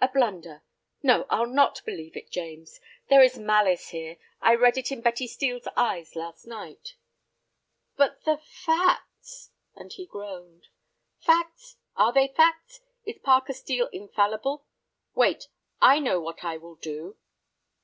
A blunder! No, I'll not believe it, James; there is malice here. I read it in Betty Steel's eyes last night." "But the facts," and he groaned. "Facts! Are they facts? Is Parker Steel infallible? Wait, I know what I will do."